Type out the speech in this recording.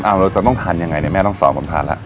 เราจะต้องทานยังไงเนี่ยแม่ต้องสอนผมทานแล้ว